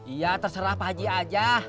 iya terserah padi aja